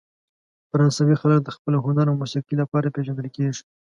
فرانسوي خلک د خپل هنر او موسیقۍ لپاره پېژندل کیږي.